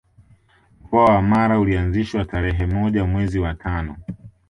Mkoa wa Mara ulianzishwa tarerhe moja mwezi wa tano